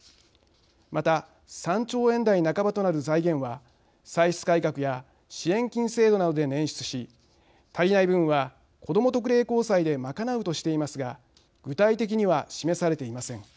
また３兆円台半ばとなる財源は歳出改革や支援金制度などで捻出し足りない分はこども特例公債で賄うとしていますが具体的には示されていません。